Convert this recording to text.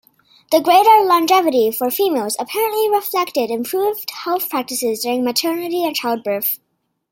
The greater longevity for females apparently reflected improved health practices during maternity and childbirth.